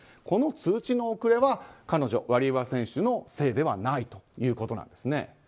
この通知の遅れは彼女のせいではないということなんですね。